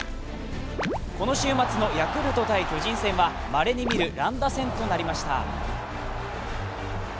この週末のヤクルト×巨人戦はまれに見る乱打戦となりました。